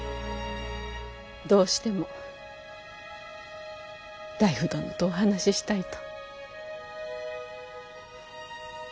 どうしても内府殿とお話ししたいと。